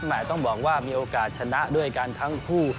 ต้องบอกว่ามีโอกาสชนะด้วยกันทั้งคู่